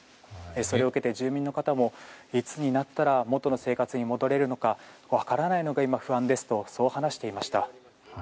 それを受けて住民の方もいつになったら元の生活に戻れるのか分からないのが不安ですと話していました。